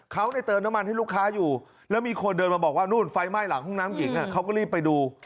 เขาเติมน้ำมันให้ลูกค้าอยู่แล้วมีคนเดินมาบอกว่านู่นไฟไหม้หลังห้องน้ำหญิงเขาก็รีบไปดู